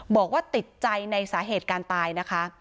บอกว่าติดใจในสาเหตุการตายนะคะ